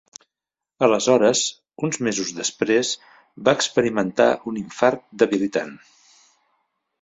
Aleshores, uns mesos després, va experimentar un infart debilitant.